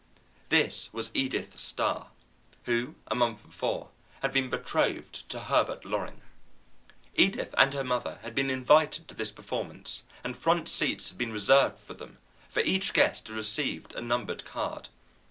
This was Edith Starr, who, a month before, had been betrothed to Herbert Loring. Edith and her mother had been invited to this performance, and front seats had been reserved for them, for each guest had received a numbered card.